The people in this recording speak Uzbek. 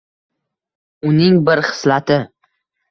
Uning bir xislati